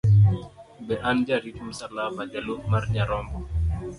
Be an jarit msalaba, jalup mar Nyarombo?